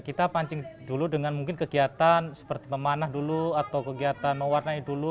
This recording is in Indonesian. kita pancing dulu dengan mungkin kegiatan seperti memanah dulu atau kegiatan mewarnai dulu